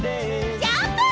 ジャンプ！